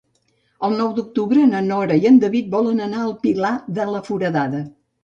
El nou d'octubre na Nora i en David volen anar al Pilar de la Foradada.